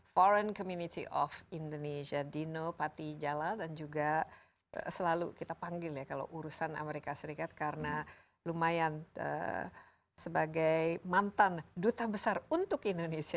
foreign community of indonesia dino patijala dan juga selalu kita panggil ya kalau urusan amerika serikat karena lumayan sebagai mantan duta besar untuk indonesia